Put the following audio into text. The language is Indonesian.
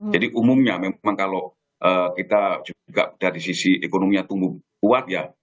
jadi umumnya memang kalau kita juga dari sisi ekonomi yang tumbuh kuat ya